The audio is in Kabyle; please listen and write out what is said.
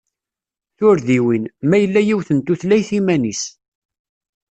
Turdiwin: Ma yella yiwet n tutlayt iman-is!